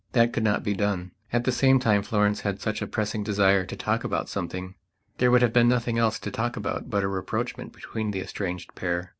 That could not be done. At the same time Florence had such a pressing desire to talk about something. There would have been nothing else to talk about but a rapprochement between that estranged pair.